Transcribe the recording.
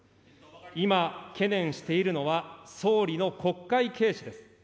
今、懸念しているのは総理の国会軽視です。